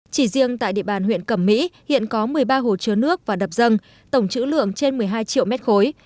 chỉ riêng tại địa bàn huyện cẩm mỹ hiện có một mươi ba hồ chứa nước và đập dân tổng chữ lượng trên một mươi hai triệu mét khối